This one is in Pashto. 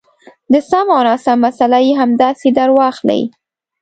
د سم او ناسم مساله یې همداسې درواخلئ.